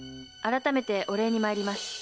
「改めてお礼にまいります。